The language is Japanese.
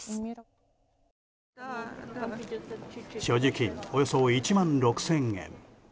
所持金およそ１万６０００円。